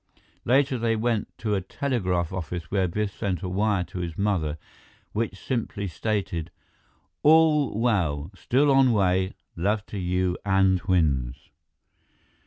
Later, they went to a telegraph office where Biff sent a wire to his mother, which simply stated: ALL WELL. STILL ON WAY. LOVE TO YOU AND TWINS.